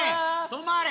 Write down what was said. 止まれ！